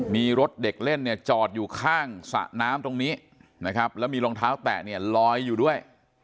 มีรถเด็กเล่นเนี่ยจอดอยู่ข้างสระน้ำตรงนี้นะครับแล้วมีรองเท้าแตะเนี่ยลอยอยู่ด้วย